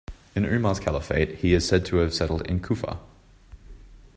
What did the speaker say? In Umar's caliphate he is said to have settled in Kufa.